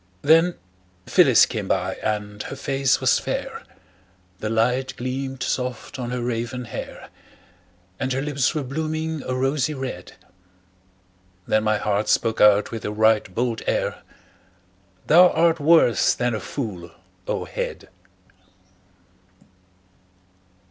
Then Phyllis came by, and her face was fair, The light gleamed soft on her raven hair; And her lips were blooming a rosy red. Then my heart spoke out with a right bold air: "Thou art worse than a fool, O head!"